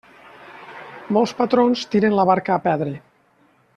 Molts patrons tiren la barca a perdre.